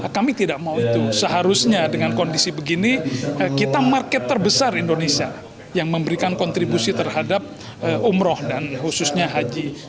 kami tidak mau itu seharusnya dengan kondisi begini kita market terbesar indonesia yang memberikan kontribusi terhadap umroh dan khususnya haji